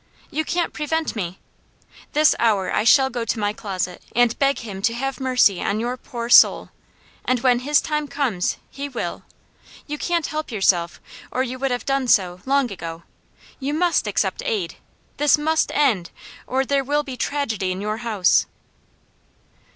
You can't prevent me! This hour I shall go to my closet and beg Him to have mercy on your poor soul, and when His time comes, He will. You can't help yourself, or you would have done so, long ago. You must accept aid! This must end, or there will be tragedy in your house."